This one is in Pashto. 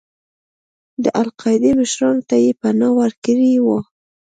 د القاعدې مشرانو ته یې پناه ورکړې وه.